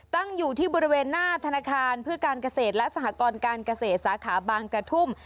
ตั้งอยู่ที่บริเวณหน้าธนาคารเพื่อการเกษตรและสหกรการเกษตรสาขาบางกระทุ่ม